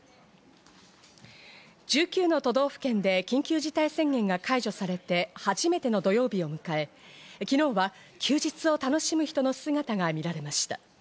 １９の都道府県で緊急事態宣言が解除されて初めての土曜日を迎え、昨日は休日を楽しむ人の姿が見られました。